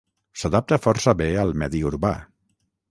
S'adapta força bé al medi urbà.